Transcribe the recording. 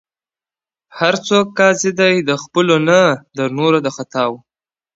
هر څوک قاضي دی، خو د خپلو نه، د نورو د خطاوو.